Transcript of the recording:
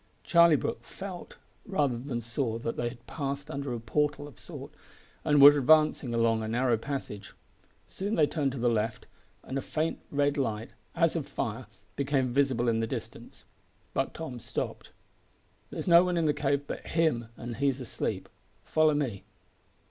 Charlie Brooke felt rather than saw that they had passed under a portal of some sort, and were advancing along a narrow passage. Soon they turned to the left, and a faint red light as of fire became visible in the distance. Buck Tom stopped. "There's no one in the cave but him, and he's asleep. Follow me."